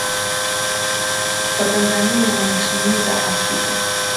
Kwa Tanzania na nchi nyingi za Afrika